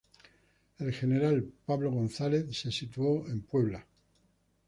El general Pablo González se situó en Puebla.